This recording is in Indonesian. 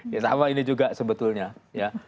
ya sama ini juga sebetulnya ya